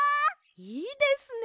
いいですね。